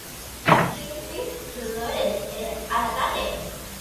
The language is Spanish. Kirby: ¡Roedores al ataque!